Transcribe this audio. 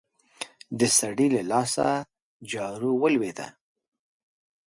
د سړي له لاسه جارو ولوېده.